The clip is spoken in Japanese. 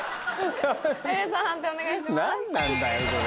何なんだよこれ。